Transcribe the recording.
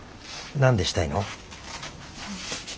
何でしたいの？